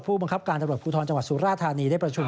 ผู้บังคับการตำรวจภูทรจังหวัดสุราธานีได้ประชุม